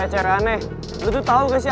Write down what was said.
eh cerane lo tuh tau gak sih